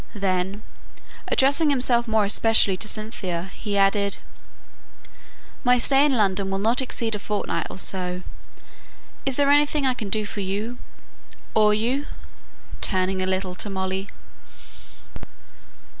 Then, addressing himself more especially to Cynthia, he added, "My stay in London will not exceed a fortnight or so is there anything I can do for you or you?" turning a little to Molly.